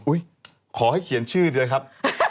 ขอให้เขียนชื่อด้วยครับ